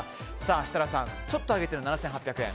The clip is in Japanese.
設楽さん、ちょっと上げての７８００円。